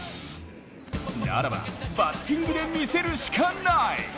ならば、バッティングで見せるしかない！